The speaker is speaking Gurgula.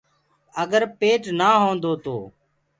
اگر پيٽ نآ هوندو تو